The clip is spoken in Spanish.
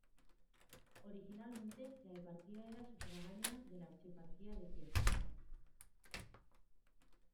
Originalmente, la eparquía era sufragánea de la archieparquía de Kiev.